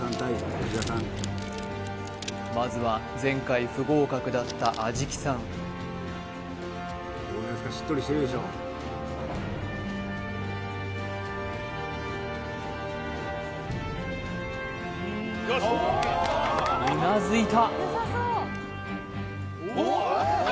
まずは前回不合格だった安食さんうなずいた！